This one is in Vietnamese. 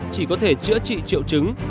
chỉ có thể chữa trị triệu chứng